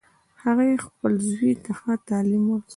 هغې خپل زوی ته ښه تعلیم ورکړ